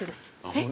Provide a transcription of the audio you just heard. えっ？